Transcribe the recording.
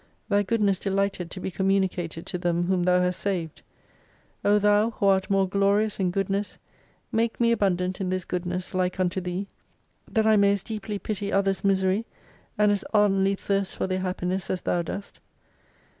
Thy Good ness delighted to be communicated to them whom Thou hast saved. O Thou who art more glorious in Good ness, make me abundant in this Goodness like unto Thee. That I may as deeply pity others, misery, and as ardently thirst for their happiness as Thou dost.